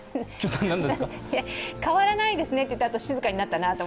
変わらないですねと言ったあと静かになったなと。